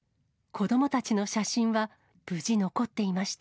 子どもたちの写真は、無事残っていました。